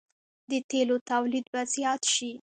د تیلو تولید به زیات شي.